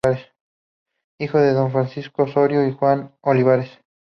Hijo de don Francisco Osorio y Juana de Olivares.